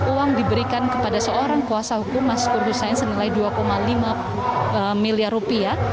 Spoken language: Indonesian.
uang diberikan kepada seorang kuasa hukum mas kur hussein senilai dua lima miliar rupiah